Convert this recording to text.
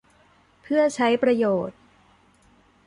เพื่อใช้ประโยชน์